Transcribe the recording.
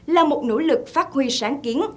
là một nỗ lực phát huy sáng kiến